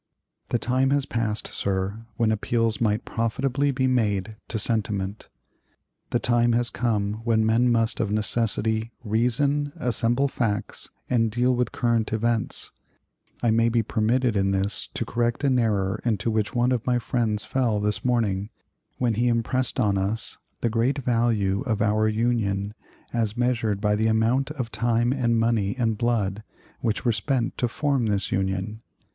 "The time has passed, sir, when appeals might profitably be made to sentiment. The time has come when men must of necessity reason, assemble facts, and deal with current events. I may be permitted in this to correct an error into which one of my friends fell this morning, when he impressed on us the great value of our Union as measured by the amount of time and money and blood which were spent to form this Union.